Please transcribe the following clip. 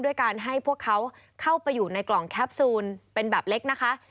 ด้วยการให้พวกเขาเข้าไปอยู่ในกล่องแคปซูลเป็นแบบเล็กนะคะ